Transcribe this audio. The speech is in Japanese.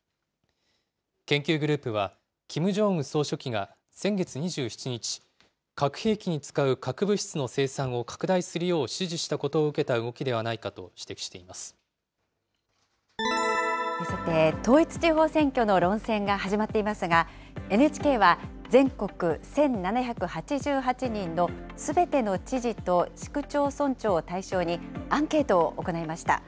研究グループは、キム・ジョンウン総書記が先月２７日、核兵器に使う核物質の生産を拡大するよう指示したことを受けた動さて、統一地方選挙の論戦が始まっていますが、ＮＨＫは全国１７８８人のすべての知事と市区町村長を対象に、アンケートを行いました。